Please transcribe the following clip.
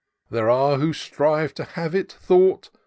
There are who strive to have it thought.